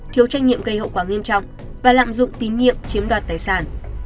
thiếu trách nhiệm gây hậu quả nghiêm trọng và lạm dụng tín nhiệm chiếm đoạt tài sản